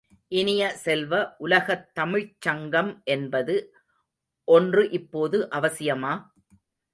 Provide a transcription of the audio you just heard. இனிய செல்வ, உலகத் தமிழ்ச் சங்கம் என்பது ஒன்று இப்போது அவசியமா?